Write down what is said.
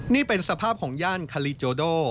นี่เป็นสภาพของย่านคาลีโจโด